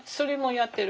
やってる？